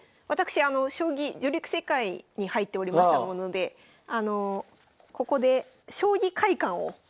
私将棋女流育成会に入っておりましたものでここで将棋会館を。